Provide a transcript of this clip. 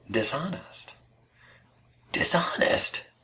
dishonest." "Dishonest!"